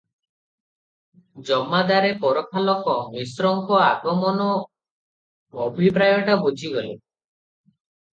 ଜମାଦାରେ ପରଖା ଲୋକ, ମିଶ୍ରଙ୍କ ଆଗମନ ଅଭିପ୍ରାୟଟା ବୁଝିଗଲେ ।